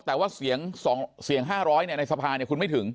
แต่ว่าเสียง๕๐๐ในสภาคุณไม่ถึง